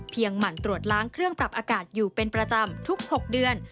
หมั่นตรวจล้างเครื่องปรับอากาศอยู่เป็นประจำทุก๖เดือน